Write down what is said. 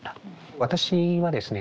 私はですね